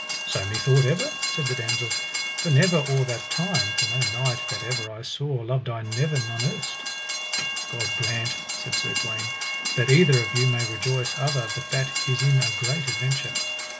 So me thought ever, said the damosel, for never or that time, for no knight that ever I saw, loved I never none erst. God grant, said Sir Gawaine, that either of you may rejoice other, but that is in a great adventure.